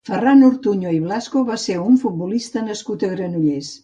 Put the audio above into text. Ferran Ortuño i Blasco va ser un futbolista nascut a Granollers.